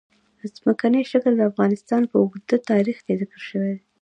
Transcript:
ځمکنی شکل د افغانستان په اوږده تاریخ کې ذکر شوی دی.